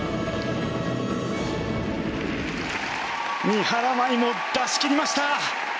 三原舞依も出し切りました！